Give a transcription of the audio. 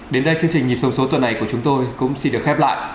đến đây chương trình nhịp sông số tuần này của chúng tôi cũng xin được khép lại